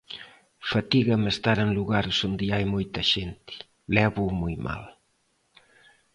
Fatígame estar en lugares onde hai moita xente, lévoo moi mal.